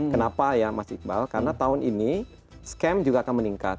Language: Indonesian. kenapa ya mas iqbal karena tahun ini scam juga akan meningkat